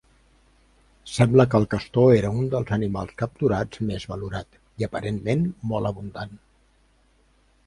Sembla que el castor era un dels animals capturats més valorat i aparentment molt abundant.